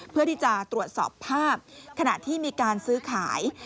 เพื่อที่จะตรวจสอบภาพขณะที่มีการซื้อขาย